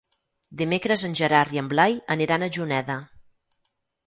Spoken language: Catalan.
Dimecres en Gerard i en Blai aniran a Juneda.